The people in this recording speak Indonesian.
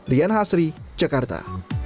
rian hasri jakarta